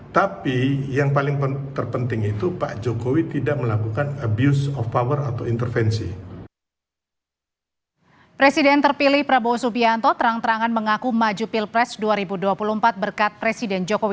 tapi yang paling terpenting itu pak jokowi tidak melakukan abuse of power atau intervensi